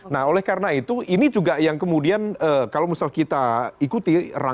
nah oleh karena itu ini juga yang kemudian kalau misalnya kita mencari kontraksi kita bisa mencari kontraksi